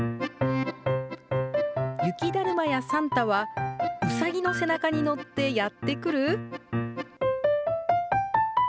雪だるまやサンタは、うさぎの背中にやって来る？